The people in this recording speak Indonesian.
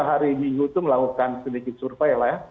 hari minggu itu melakukan sedikit survei lah ya